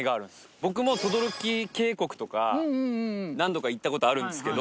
僕も等々力渓谷とか何度か行ったことあるんですけど。